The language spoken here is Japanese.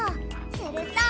すると。